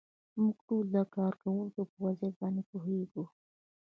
موږ ټول د کارکوونکو په وضعیت باندې پوهیږو.